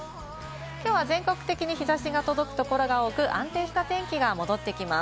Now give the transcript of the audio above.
きょうは全国的に日差しが届くところが多く、安定した天気が戻ってきます。